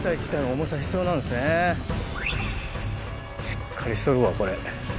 しっかりしとるわこれ。